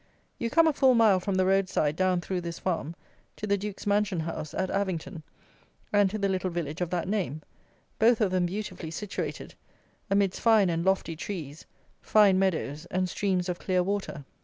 You come a full mile from the roadside down through this farm, to the Duke's mansion house at Avington, and to the little village of that name, both of them beautifully situated, amidst fine and lofty trees, fine meadows, and streams of clear water.